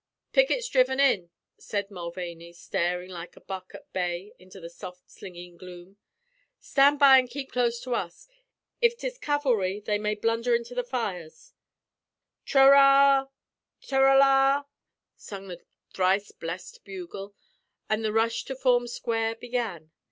"Pickets dhriven in," said Mulvaney, staring like a buck at bay into the soft, slinging gloom. "Stand by an' kape close to us. If 'tis cav'lry, they may blundher into the fires." Tr ra ra! ta ra la! sung the thrice blessed bugle, and the rush to form square began.